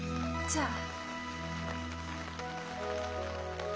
じゃあ。